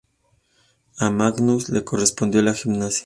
A Magnús le correspondió la gimnasia.